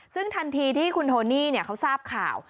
ซึ่งทันทีที่คุณโทนี่เขาทราบข่าว